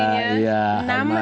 sukses acaranya pastinya